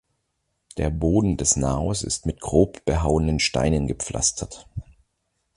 Der Boden des Naos ist mit grob behauenen Steinen gepflastert.